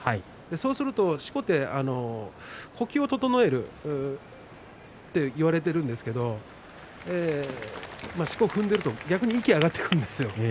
そうすると、しこは呼吸を整えると言われていますがしこを踏んでいると逆に息が上がってくるんですよ。